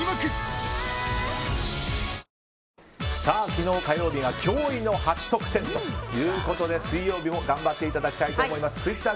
昨日、火曜日が驚異の８得点ということで水曜日も頑張っていただきたいと思います。